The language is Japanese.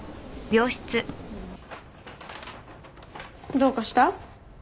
どうかした？